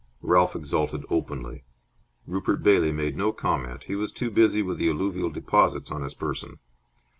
Ralph exulted openly. Rupert Bailey made no comment. He was too busy with the alluvial deposits on his person.